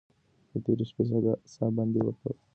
د تېرې شپې ساه بندي ورته یاده شوه.